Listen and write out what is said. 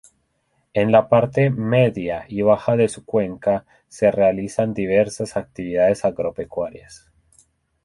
En la parte media y baja de su cuenca se realizan diversas actividades agropecuarias.